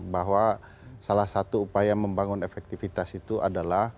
bahwa salah satu upaya membangun efektivitas itu adalah